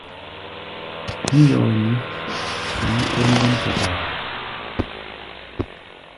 Mí yoó nu, ɓɛɛ mí kúr ŋgɔ́n katar.